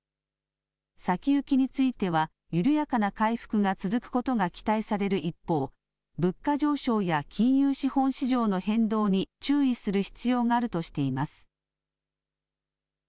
先行きについては緩やかな回復が続くことが期待される一方、物価上昇や金融資本市場の変動に注意する必要があるとしています。